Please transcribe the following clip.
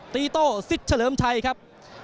ตีโต้สิทซ์เฉลิมไทยครับ